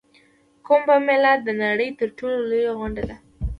کومبه میله د نړۍ تر ټولو لویه غونډه ده.